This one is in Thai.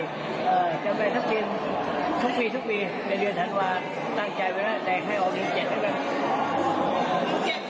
เออจะไปทับกินทุกปีในเดือนธันวาค